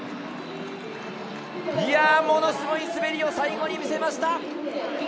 ものすごい滑りを最後に見せました！